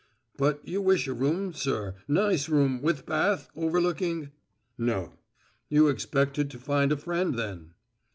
"But you wish a room, sir nice room, with bath, overlooking " "No." "You expected to find a friend, then?"